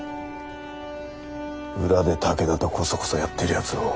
裏で武田とこそこそやってるやつを。